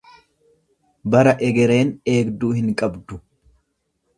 Bara egereen deegduu hin qabdu.